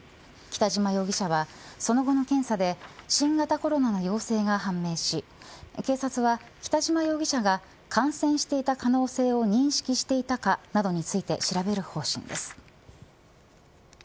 北島容疑者は、その後の検査で新型コロナの陽性が判明し警察は、北島容疑者が感染していた可能性を認識していたかなどについて調べる方針です。